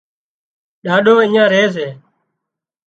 ڏاڏو اڃين ري سي